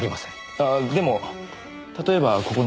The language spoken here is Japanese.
ああでも例えばここなんか。